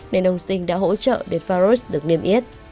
nên ông sinh đã hỗ trợ để farus được niêm yết